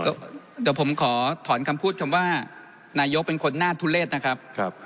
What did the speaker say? เดี๋ยวผมขอถอนคำพูดคำว่านายกเป็นคนหน้าทุเลศนะครับ